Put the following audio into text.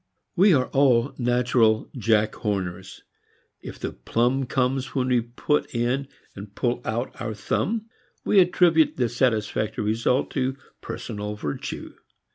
We are all natural Jack Horners. If the plum comes when we put in and pull out our thumb we attribute the satisfactory result to personal virtue.